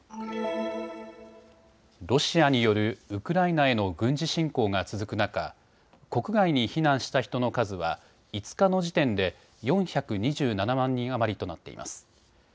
ロシアによるウクライナへの軍事侵攻が続く中、国外に避難した人の数は５日の時点で４２７万人余りとなっています。